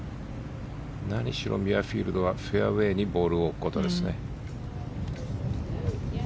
何しろミュアフィールドはフェアウェーにボールを置くことですね。